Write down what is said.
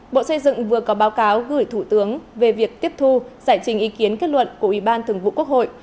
bộ xây dựng vừa có báo cáo gửi thủ tướng về việc tiếp thu giải trình ý kiến kết luận của ủy ban thường vụ quốc hội